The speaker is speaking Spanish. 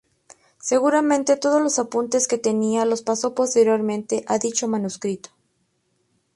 Seguramente todos los apuntes que tenía los pasó posteriormente a dicho manuscrito.